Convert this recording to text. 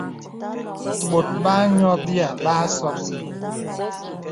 Bɔ̀t bā nyɔ byə̂ bə a sɔk.